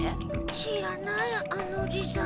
知らないあんなおじさん。